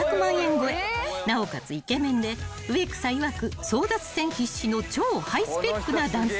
［なおかつイケメンで植草いわく争奪戦必至の超ハイスペックな男性］